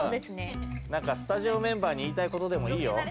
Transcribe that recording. なんかスタジオメンバーに言いたいことでもいいよ。